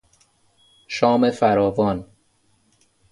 شام فراوان